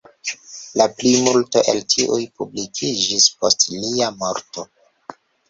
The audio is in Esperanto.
La plimulto el tiuj publikiĝis post lia morto.